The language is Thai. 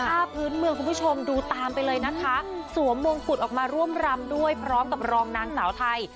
ผ้าพื้นเมืองคุณผู้ชมดูตามไปเลยนะคะสวมมงกุฎออกมาร่วมรำด้วยพร้อมกับรองนางสาวไทย